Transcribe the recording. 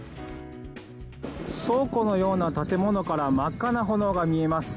倉庫のような建物から真っ赤な炎が見えます。